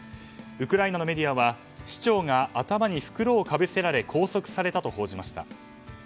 ウクライナのメディアは市長が頭に袋をかぶせられ拘束されたと報じました。